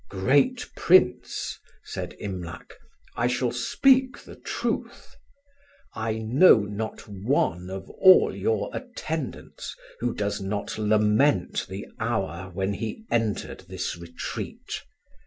"Great Prince," said Imlac, "I shall speak the truth. I know not one of all your attendants who does not lament the hour when he entered this retreat.